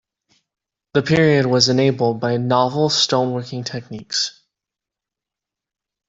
The period was enabled by novel stone working techniques.